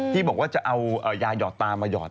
ที่บอกว่าจะเอายาหยอดตามาหยอด